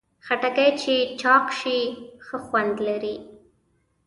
خټکی چې چاق شي، ښه خوند لري.